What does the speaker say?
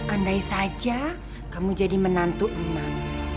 andai saja kamu jadi menantu aman